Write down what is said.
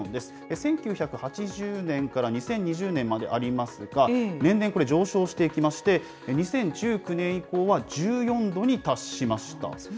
１９８０年から２０２０年までありますが、年々これ、上昇していきまして、２０１９年以降は１４度に達しました。